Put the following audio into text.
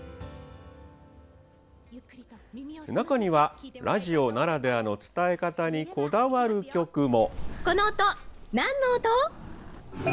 中にはラジオならではの伝え方にこだわる局も。